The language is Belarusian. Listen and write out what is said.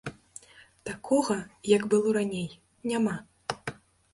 Такога, як было раней, няма.